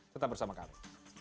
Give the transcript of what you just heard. tetap bersama kami